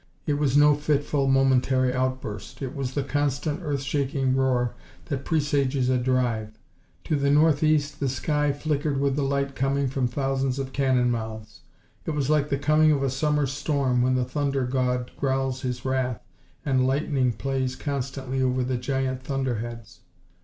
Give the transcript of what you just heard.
It was no fitful, momentary outburst; it was the constant earth shaking roar that presages a drive. To the north and east the sky flickered with the light coming from thousands of cannon mouths. It was like the coming of a summer storm when the thunder god growls his wrath and lightning plays constantly over the giant thunderheads.